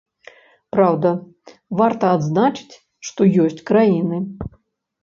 Праўда, варта адзначыць, што ёсць краіны.